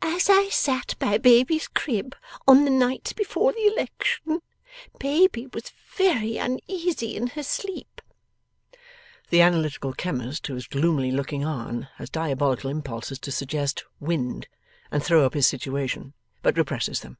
As I sat by Baby's crib, on the night before the election, Baby was very uneasy in her sleep.' The Analytical chemist, who is gloomily looking on, has diabolical impulses to suggest 'Wind' and throw up his situation; but represses them.